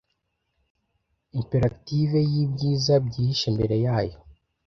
Imperative yibyiza byihishe mbere yayo